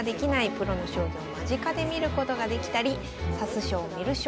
プロの将棋を間近で見ることができたり指す将観る将